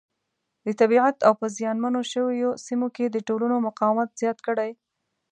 د طبیعیت او په زیان منو شویو سیمو کې د ټولنو مقاومت زیات کړي.